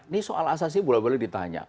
ini soal asasi boleh boleh ditanya